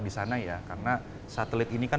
di sana ya karena satelit ini kan